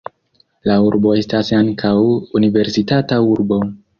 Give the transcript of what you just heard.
La urbo estas ankaŭ universitata urbo.